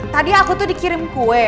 tadi aku tuh dikirim kue